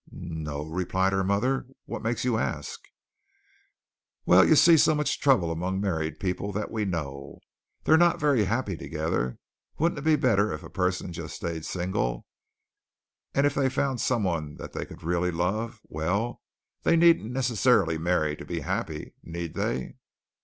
"No o," replied her mother. "What makes you ask?" "Well, you see so much trouble among married people that we know. They're not very happy together. Wouldn't it be better if a person just stayed single, and if they found someone that they could really love, well, they needn't necessarily marry to be happy, need they?"